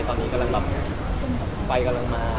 ตอนนี้กำลังไปกำลังมาแปลอ่ะ